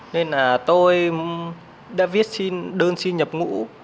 nên là tôi đã viết đơn xin nhập ngũ